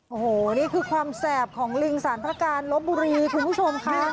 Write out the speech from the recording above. โอ้โหนี่คือความแสบของลิงสารพระการลบบุรีคุณผู้ชมค่ะ